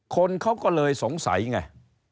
คนเขาก็เลยสงสัยไง